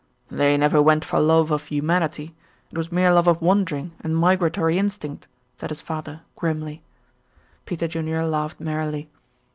"They never went for love of humanity. It was mere love of wandering and migratory instinct," said his father, grimly. Peter Junior laughed merrily.